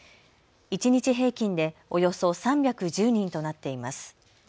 一日平均でおよそ３１０人となっています。